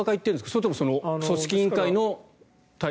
それとも組織委員会の対策？